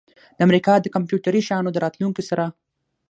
د امریکا د کمپیوټري شیانو د راتلونکي سره